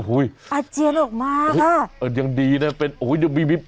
อุ๊ยอาจเจียนออกมากอะโอ้โฮยังดีนะเป็นอุ้ยมี